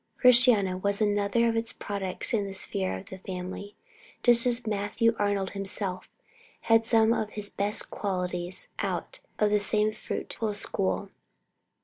Christiana was another of its products in the sphere of the family, just as Matthew Arnold himself had some of his best qualities out of the same fruitful school.